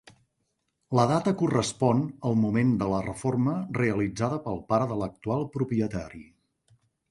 La data correspon al moment de la reforma realitzada pel pare de l’actual propietari.